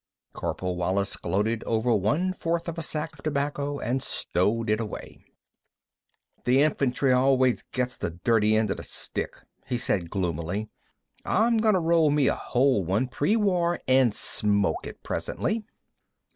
Corporal Wallis gloated over one fourth of a sack of tobacco and stowed it away. "Th' infantry always gets th' dirty end of the stick," he said gloomily. "I'm goin' to roll me a whole one, pre war, an' smoke it, presently."